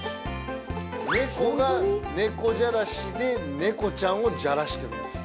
猫が猫じゃらしで猫ちゃんをじゃらしてるんです。